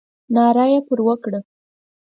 ناره یې پر وکړه.